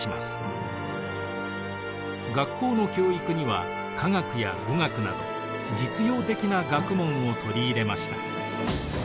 学校の教育には科学や語学など実用的な学問を取り入れました。